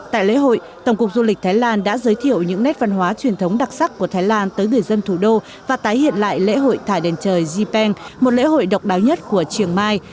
tại lễ hội tổng cục du lịch thái lan đã giới thiệu những nét văn hóa truyền thống đặc sắc của thái lan tới người dân thủ đô và tái hiện lại lễ hội thả đền trời zeng một lễ hội độc đáo nhất của triều mai